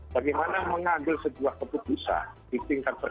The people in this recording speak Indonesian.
sebenarnya sebuah proses yang disekolahkan